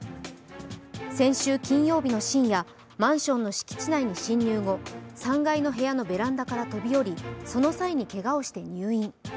先週金曜日の深夜、マンションの敷地内に侵入後、３階の部屋のベランダから飛び降りその際けがをして入院。